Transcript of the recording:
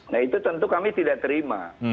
nah itu tentu kami tidak terima